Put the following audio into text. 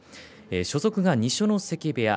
所属が二所ノ関部屋。